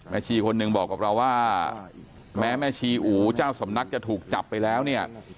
ชีคนหนึ่งบอกกับเราว่าแม้แม่ชีอูเจ้าสำนักจะถูกจับไปแล้วเนี่ย